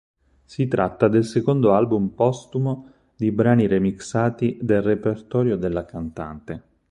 Si tratta del secondo album postumo di brani remixati del repertorio della cantante.